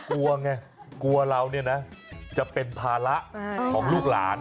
กลัวไงกลัวเราเนี่ยนะจะเป็นภาระของลูกหลาน